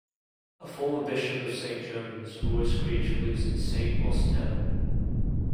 A former Bishop of Saint Germans, Roy Screech, lives in Saint Austell.